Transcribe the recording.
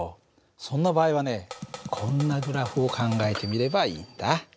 そんな場合はねこんなグラフを考えてみればいいんだ。